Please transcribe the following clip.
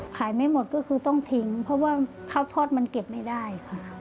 ไม่หมดก็คือต้องทิ้งเพราะว่าข้าวทอดมันเก็บไม่ได้ค่ะ